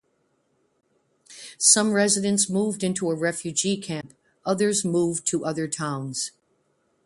Some residents moved into a refugee camp; others moved to other towns.